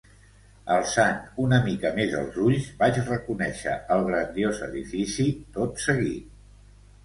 Alçant una mica més els ulls, vaig reconèixer el grandiós edifici tot seguit.